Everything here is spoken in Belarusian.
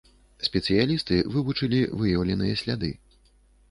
Спецыялісты вывучылі выяўленыя сляды.